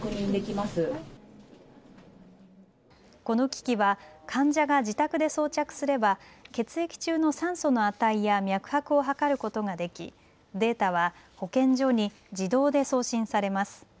この機器は患者が自宅で装着すれば、血液中の酸素の値や脈拍を測ることができデータは保健所に自動で送信されます。